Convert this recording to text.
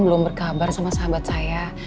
belum berkabar sama sahabat saya